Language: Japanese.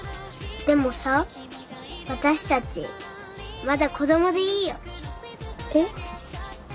でもさ私たちまだ子どもでいいよ。え？